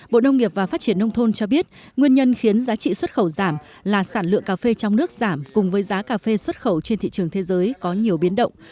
bộ nông nghiệp và phát triển nông thôn cho biết nguyên nhân khiến giá trị xuất khẩu giảm là sản lượng cà phê trong nước giảm cùng với giá cà phê xuất khẩu trên thị trường thế giới có nhiều biến động